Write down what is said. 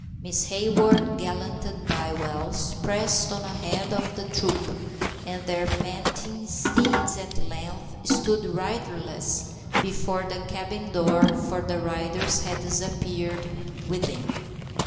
Miss Hayward, gallanted by Wells, pressed on ahead of the troop, and their panting steeds at length stood riderless before the cabin door, for the riders had disappeared within.